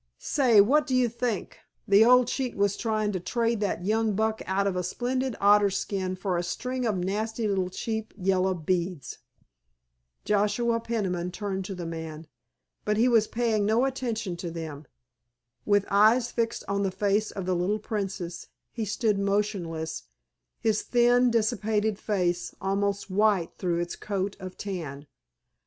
Say, what do you think, the old cheat was tryin' to trade that young buck out of a splendid otter skin for a string of nasty little cheap yellow beads!" Joshua Peniman turned to the man, but he was paying no attention to them. With eyes fixed on the face of the little Princess he stood motionless, his thin, dissipated face almost white through its coat of tan.